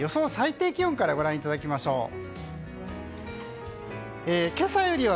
では、予想最低気温からご覧いただきましょう。